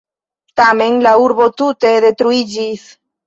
Tamen, la urbo tute detruiĝis.